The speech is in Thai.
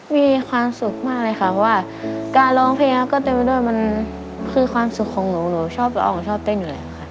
มีความสุขมากเลยค่ะเพราะว่าการร้องเพลงก็เต็มไปด้วยมันคือความสุขของหนูหนูชอบละอองชอบเต้นอยู่แล้วค่ะ